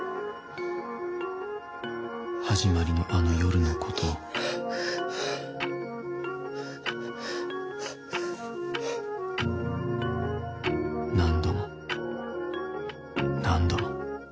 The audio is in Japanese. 始まりのあの夜のことを何度も何度も。